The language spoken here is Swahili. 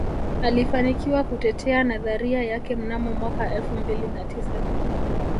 Alifanikiwa kutetea nadharia yake mnamo mwaka elfu mbili na tisa